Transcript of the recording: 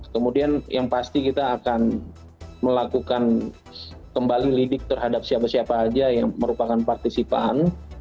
kemudian yang pasti kita akan melakukan kembali lidik terhadap siapa siapa saja yang merupakan partisipan